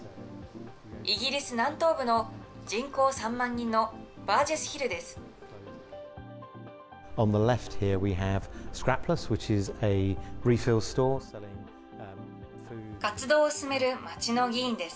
イギリス南東部の人口３万人のバージェス・ヒルです。